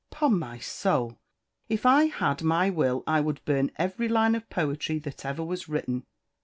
'Pon my soul! if I had my will I would burn every line of poetry that ever was written.